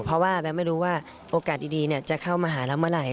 เพราะว่าแบมไม่รู้ว่าโอกาสดีจะเข้ามาหาเราเมื่อไหร่